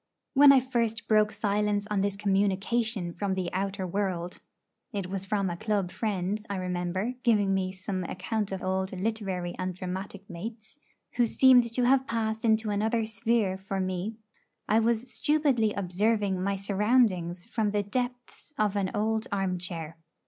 When I first broke silence on this communication from the outer world it was from a club friend, I remember, giving me some account of old literary and dramatic mates, who seemed to have passed into another sphere for me I was stupidly observing my surroundings from the depths of an old armchair.